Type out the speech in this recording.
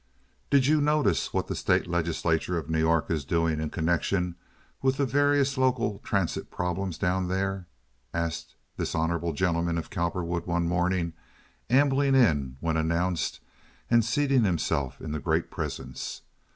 "Did you notice what the state legislature of New York is doing in connection with the various local transit problems down there?" asked this honorable gentleman of Cowperwood, one morning, ambling in when announced and seating himself in the great presence.